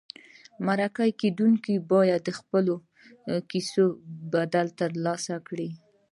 مرکه کېدونکي باید د خپلو کیسو بدل ترلاسه کړي.